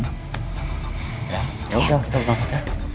ya yaudah kita berangkat ya